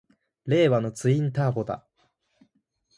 令和のツインターボだ！